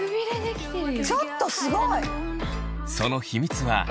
ちょっとすごい！